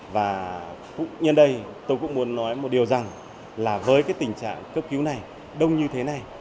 và cũng nhân đây tôi cũng muốn nói một điều rằng là với cái tình trạng cấp cứu này đông như thế này